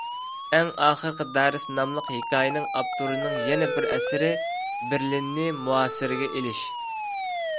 «ئەڭ ئاخىرقى دەرس» ناملىق ھېكايىنىڭ ئاپتورىنىڭ يەنە بىر ئەسىرى — «بېرلىننى مۇھاسىرىگە ئېلىش».